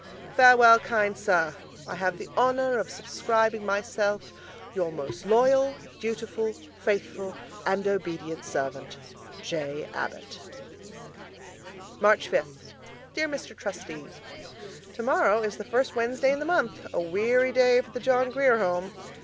Farewell, kind Sir. I have the honour of subscribing myself, Your most loyall, dutifull, faithfull and obedient servant, J. Abbott March Fifth Dear Mr. Trustee, Tomorrow is the first Wednesday in the month a weary day for the John Grier Home.